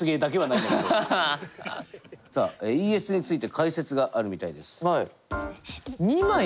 さあＥＳについて解説があるみたいです。